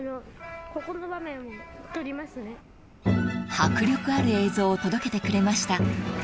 ［迫力ある映像を届けてくれました］